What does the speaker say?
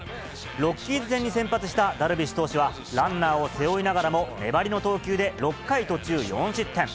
ロッキーズ戦に先発したダルビッシュ投手は、ランナーを背負いながらも、粘りの投球で、６回途中４失点。